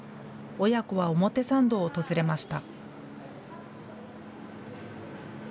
親子は表参道を訪れました。